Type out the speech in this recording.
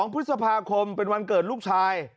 ๒พฤษภาคมเป็นวันเกิดลูกชาย